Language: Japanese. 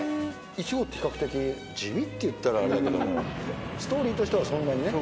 １号って比較的地味っていったらあれだけどストーリーとしてはそんなにね。